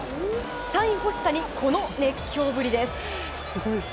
サイン欲しさにこの熱狂ぶりです。